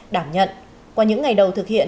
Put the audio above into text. đảm nhận qua những ngày đầu thực hiện